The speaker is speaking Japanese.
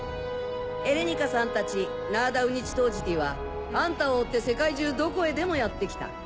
エレニカさんたちナーダ・ウニチトージティはあんたを追って世界中どこへでもやって来た。